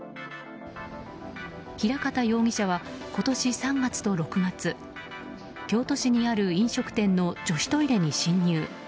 平方容疑者は今年３月と６月京都市にある飲食店の女子トイレに侵入。